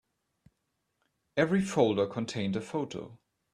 Every folder contained a photo.